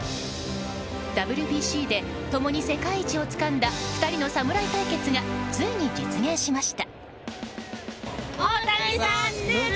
ＷＢＣでともに世界一をつかんだ２人の侍対決がついに実現しました。